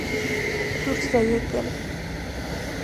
դուրս է եկել…